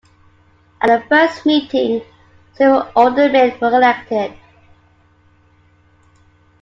At the first meeting, several aldermen were elected.